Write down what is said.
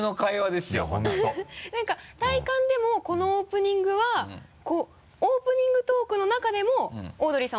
何か体感でもこのオープニングはオープニングトークの中でもオードリーさん